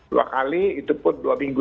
dua kali itu pun dua minggu